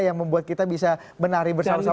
yang membuat kita bisa menari bersama sama